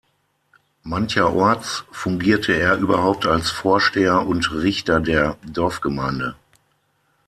Mancherorts fungierte er überhaupt als Vorsteher und Richter der Dorfgemeinde.